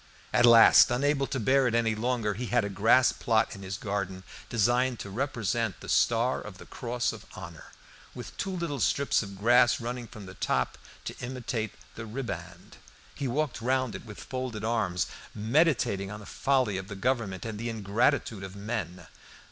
At last, unable to bear it any longer, he had a grass plot in his garden designed to represent the Star of the Cross of Honour with two little strips of grass running from the top to imitate the ribband. He walked round it with folded arms, meditating on the folly of the Government and the ingratitude of men.